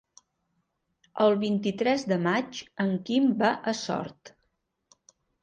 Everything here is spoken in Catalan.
El vint-i-tres de maig en Quim va a Sort.